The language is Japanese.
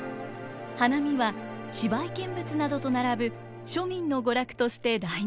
花見は芝居見物などと並ぶ庶民の娯楽として大人気に。